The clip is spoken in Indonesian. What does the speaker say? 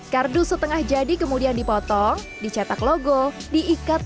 kardus setengah jadi kemudian dipotong dicetak logo diikat